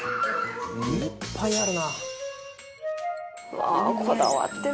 「いっぱいあるな」